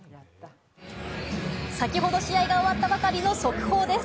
先ほど試合が終わったばかりの速報です。